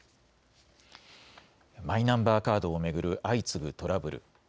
マイナンバーカードを巡る相次ぐトラブル。